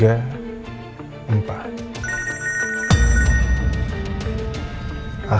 udah terslang perdama kan lo